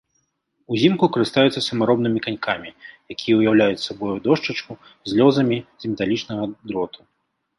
Узімку карыстаюцца самаробнымі канькамі, якія ўяўляюць сабою дошчачку з лёзамі з металічнага дроту.